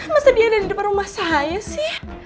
maksudnya dia ada di depan rumah saya sih